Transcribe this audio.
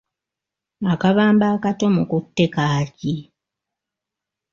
Akabamba akato mukutte kaaki?